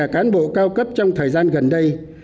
cán bộ cao cấp trong thời gian gần đây